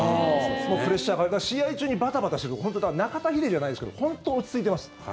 もうプレッシャーが試合中にバタバタしてるところ中田ヒデじゃないですけど本当に落ち着いてます。